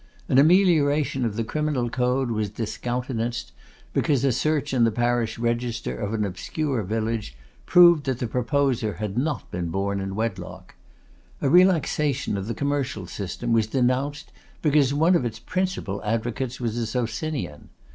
An amelioration of the criminal code was discountenanced because a search in the parish register of an obscure village proved that the proposer had not been born in wedlock. A relaxation of the commercial system was denounced because one of its principal advocates was a Socinian.